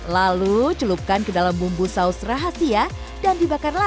lalu celupkan ke dalam bumbu saus rahasia dan dibakar lagi